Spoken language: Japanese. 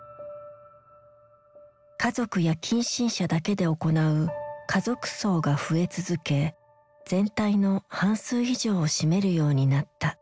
家族や近親者だけで行う「家族葬」が増え続け全体の半数以上を占めるようになった。